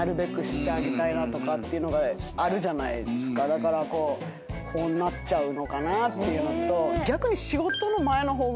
だからこうなっちゃうのかなっていうのと。